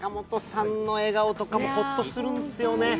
坂本さんの笑顔とかもほっとするんですよね。